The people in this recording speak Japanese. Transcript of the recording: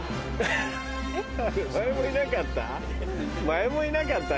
前もいなかった？